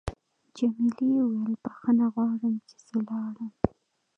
جميلې وويل: بخښنه غواړم چې زه لاړم.